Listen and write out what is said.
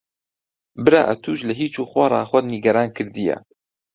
برا ئەتووش لە هیچ و خۆڕا خۆت نیگەران کردییە.